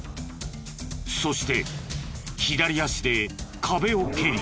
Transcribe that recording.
そして左足で壁を蹴り反転。